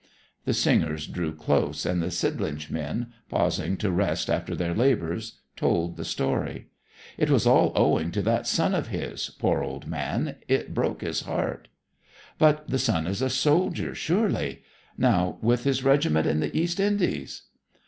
The singers drew close, and the Sidlinch men, pausing to rest after their labours, told the story. 'It was all owing to that son of his, poor old man. It broke his heart.' 'But the son is a soldier, surely; now with his regiment in the East Indies?'